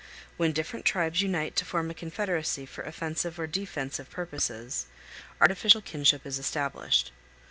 When different tribes unite to form a confederacy for offensive or defensive purposes, artificial kinship is established.